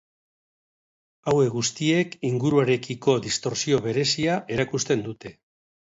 Hauek guztiek inguruarekiko distortsio berezia erakusten dute.